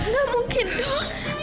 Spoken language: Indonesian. gak mungkin dok